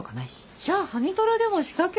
じゃあハニトラでも仕掛けなさいよ。